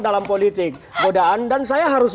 dalam politik godaan dan saya harus